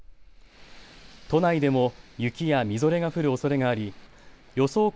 都内でも雪やみぞれが降るおそれがあり予想